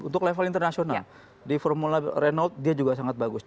untuk level internasional di formula renault dia juga sangat bagus